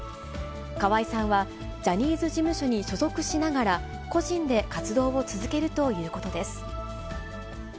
河合さんは、ジャニーズ事務所に所属しながら、個人で活動を続けるということです。